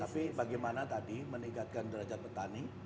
tapi bagaimana tadi meningkatkan derajat petani